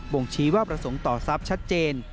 ่งชี้ว่าประสงค์ต่อทรัพย์ชัดเจน